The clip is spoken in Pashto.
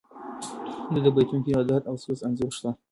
د ده په بیتونو کې د درد او سوز انځور شته.